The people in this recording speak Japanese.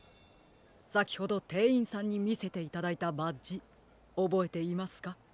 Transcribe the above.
さきほどてんいんさんにみせていただいたバッジおぼえていますか？